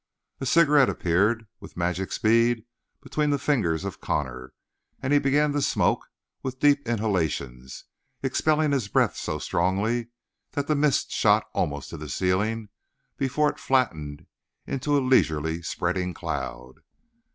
A cigarette appeared with magic speed between the fingers of Connor, and he began to smoke, with deep inhalations, expelling his breath so strongly that the mist shot almost to the ceiling before it flattened into a leisurely spreading cloud.